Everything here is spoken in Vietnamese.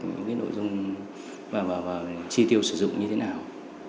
những nội dung chi tiêu sử dụng như thế nào